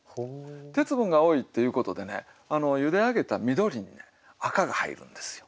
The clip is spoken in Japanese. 鉄分が多いっていうことでねゆで上げた緑に赤が入るんですよ。